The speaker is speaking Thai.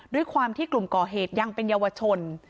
ด้วยความที่กลุ่มก่อเหตุยังเป็นเยาวชน